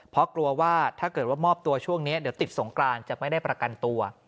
เพราะกลัวว่าถ้าเกิดว่ามอบตัวช่วงนี้เดี๋ยวติดสงกรานจะไม่ได้ประกันตัว